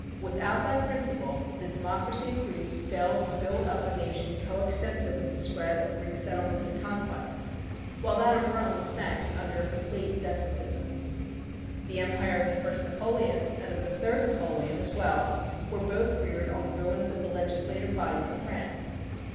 Without that principle the democracy of Greece failed to build up a nation coextensive with the spread of the Greek settlements and conquests, 8 THE PUBLIC OPINION BILL while that of Rome sank under a complete despotism. The empire of the first Napoleon and of the third Napoleon as well were both reared on the ruins of the legislative bodies of France.